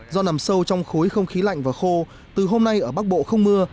do nằm sâu trong khối không khí lạnh và khô từ hôm nay ở bắc bộ không mưa